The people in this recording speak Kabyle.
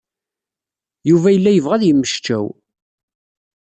Yuba yella yebɣa ad yemmecčaw.